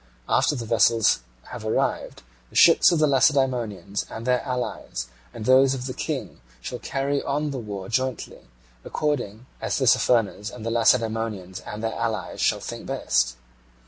After the vessels have arrived, the ships of the Lacedaemonians and of their allies and those of the King shall carry on the war jointly, according as Tissaphernes and the Lacedaemonians and their allies shall think best.